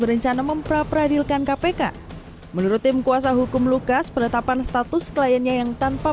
berencana mempradilkan kpk menurut tim kuasa hukum lukas penetapan status kliennya yang tanpa